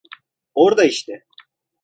Orada işte!